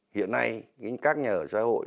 hiện nay các nhà ở xã hội